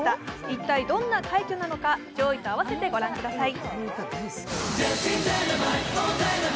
一体どんな快挙なのか、上位と併せてご覧ください。